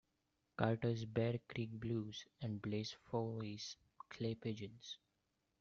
Carter's "Bear Creek Blues" and Blaze Foley's "Clay Pigeons.